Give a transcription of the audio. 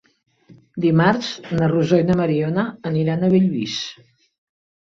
Dimarts na Rosó i na Mariona aniran a Bellvís.